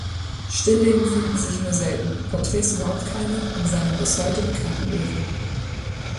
Stillleben finden sich nur selten, Porträts überhaupt keine in seinem bis heute bekannten Œuvre.